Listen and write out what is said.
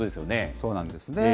そうなんですね。